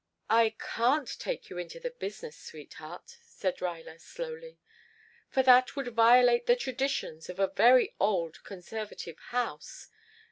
"I can't take you into the business, sweetheart," said Ruyler slowly. "For that would violate the traditions of a very old conservative house.